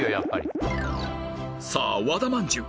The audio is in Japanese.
さあ和田まんじゅう